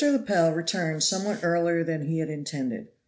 LEPEL returned somewhat earlier than he had intended.